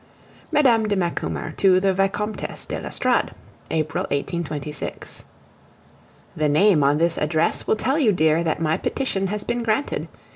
XXXIV. MME. DE MACUMER TO THE VICOMTESSE DE L'ESTORADE April 1826. The name on this address will tell you, dear, that my petition has been granted.